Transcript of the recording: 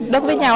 đối với nhau